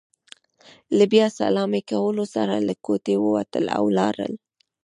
له بیا سلامۍ کولو سره له کوټې ووتل، او لاړل.